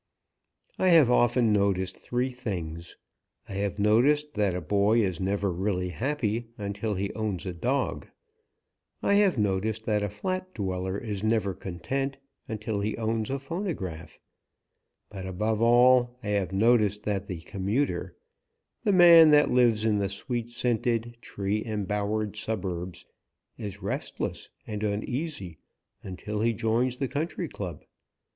I have often noticed three things: I have noticed that a boy is never really happy until he owns a dog; I have noticed that a flat dweller is never content until he owns a phonograph; but above all I have noticed that the commuter the man that lives in the sweet scented, tree embowered suburbs is restless and uneasy until he joins the Country Club.